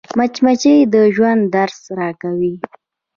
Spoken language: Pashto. مچمچۍ د ژوند درس راکوي